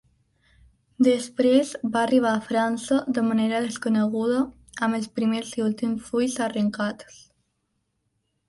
Després va arribar a França de manera desconeguda amb els primers i últims fulls arrencats.